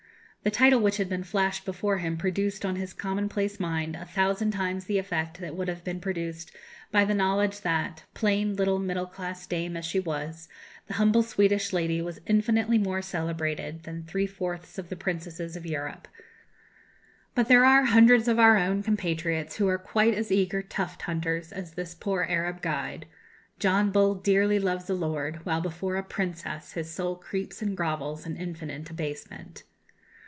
The title which had been flashed before him produced on his commonplace mind a thousand times the effect that would have been produced by the knowledge that, plain little middle class dame as she was, the humble Swedish lady was infinitely more celebrated than three fourths of the princesses of Europe. But there are hundreds of our own compatriots who are quite as eager tuft hunters as this poor Arab guide! John Bull dearly loves "a lord," while before "a princess" his soul creeps and grovels in infinite abasement.